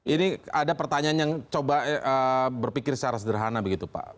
ini ada pertanyaan yang coba berpikir secara sederhana